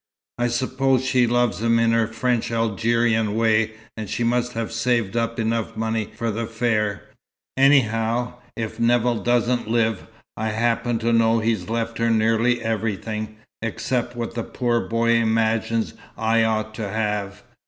"I suppose she loves him in her French Algerian way, and she must have saved up enough money for the fare. Anyhow, if Nevill doesn't live, I happen to know he's left her nearly everything, except what the poor boy imagines I ought to have.